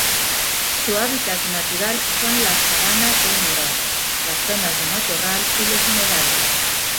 Su hábitat natural son las sabanas húmedas, las zonas de matorral y los humedales.